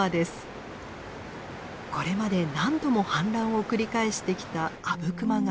これまで何度も氾濫を繰り返してきた阿武隈川。